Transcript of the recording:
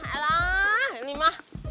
alah ini ma